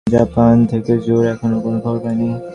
Japan থেকে জো-র এখনও কোন খবর পাইনি।